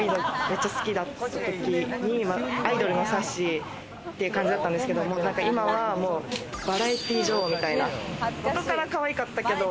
ＡＫＢ４８、めっちゃ好きだった時にアイドルのさっしーっていう感じだったんですけど、今はバラエティー女王みたいな、元から可愛かったけど。